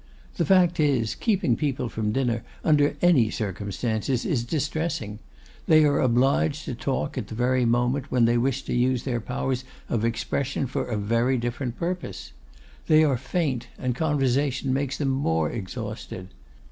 The fact is, keeping people from dinner under any circumstances is distressing. They are obliged to talk at the very moment when they wish to use their powers of expression for a very different purpose. They are faint, and conversation makes them more exhausted.